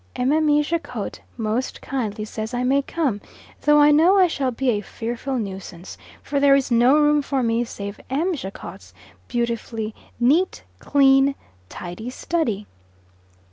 Mme. Jacot most kindly says I may come, though I know I shall be a fearful nuisance, for there is no room for me save M. Jacot's beautifully neat, clean, tidy study.